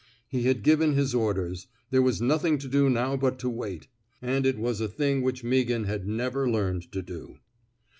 He had given his orders. There was nothing to do now but to wait. And it was a thing which Mea ghan had never learned to do.